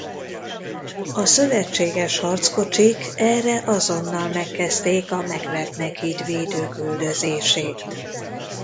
A szövetséges harckocsik erre azonnal megkezdték a megvertnek hitt védők üldözését.